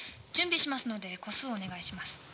準備しますので個数をお願いします。